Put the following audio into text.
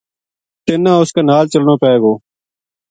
تَنا اس کے نال چلنو پے گو “